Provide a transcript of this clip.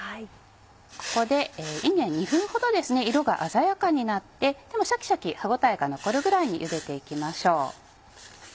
ここでいんげん２分ほどですね色が鮮やかになってでもシャキシャキ歯応えが残るぐらいにゆでていきましょう。